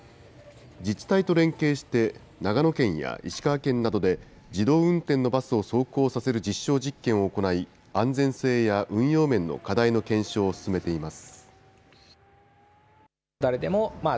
自治体と連携して、長野県や石川県などで自動運転のバスを走行させる実証実験を行い、安全性や運用面の課題の検証を進めています。